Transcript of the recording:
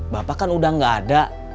bapak kan udah gak ada